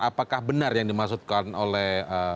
apakah benar yang dimaksudkan oleh